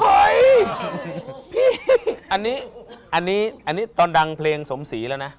เฮ้ยพี่อันนี้อันนี้อันนี้ตอนดังเพลงสมศรีแล้วนะ